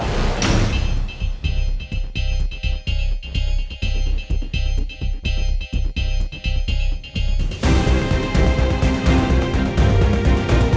โปรดติดตามตอนต่อไป